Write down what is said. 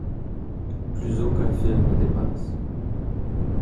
Plus aucun fil ne dépasse.